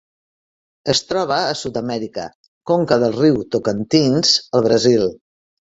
Es troba a Sud-amèrica: conca del riu Tocantins al Brasil.